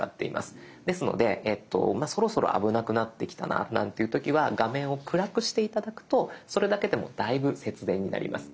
ですのでそろそろ危なくなってきたななんていう時は画面を暗くして頂くとそれだけでもだいぶ節電になります。